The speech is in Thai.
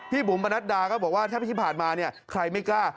พี่บุ๋มบรรณัฐดาก็บอกว่าถ้าที่ผ่านมาใครไม่กล้า